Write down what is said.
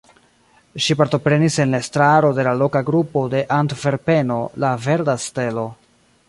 Ŝi partoprenis en la estraro de la loka grupo en Antverpeno La Verda Stelo.